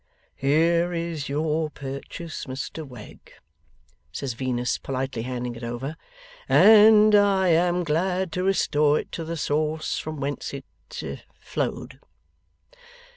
'Here is your purchase, Mr Wegg,' says Venus, politely handing it over, 'and I am glad to restore it to the source from whence it flowed.